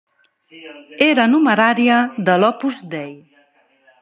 Era numerària de l'Opus Dei.